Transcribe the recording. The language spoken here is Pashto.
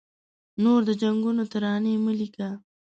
نور د جنګونو ترانې مه لیکه